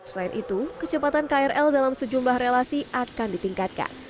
selain itu kecepatan krl dalam sejumlah relasi akan ditingkatkan